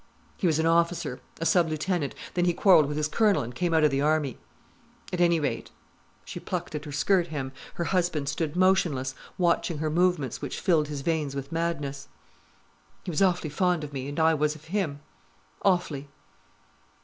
"He was an officer—a sub lieutenant—then he quarrelled with his colonel and came out of the army. At any rate"—she plucked at her skirt hem, her husband stood motionless, watching her movements which filled his veins with madness—"he was awfully fond of me, and I was of him—awfully."